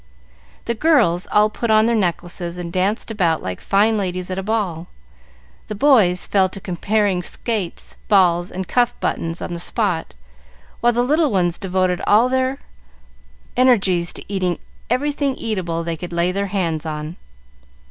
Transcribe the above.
The girls all put on their necklaces, and danced about like fine ladies at a ball. The boys fell to comparing skates, balls, and cuff buttons on the spot, while the little ones devoted all their energies to eating everything eatable they could lay their hands on.